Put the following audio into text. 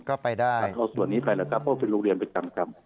เอาส่วนนี้ไปนะครับเพราะว่าเป็นโรงเรียนประจำ